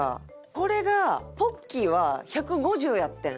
これがポッキーは１５０やってん。